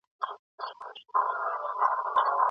مسلکي کسانو ته معاش څنګه ټاکل کیږي؟